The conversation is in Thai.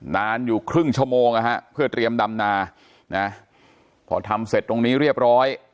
นานอยู่ครึ่งชั่วโมงนะฮะเพื่อเตรียมดำนานะพอทำเสร็จตรงนี้เรียบร้อย